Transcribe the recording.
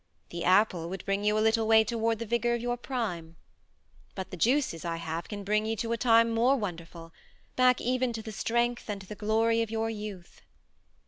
The apple would bring you a little way toward the vigor of your prime. But the juices I have can bring you to a time more wonderful back even to the strength and the glory of your youth."